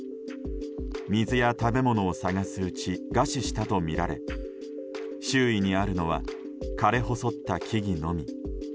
水や食べ物を探すうち餓死したとみられ周囲にあるのは枯れ細った木々のみ。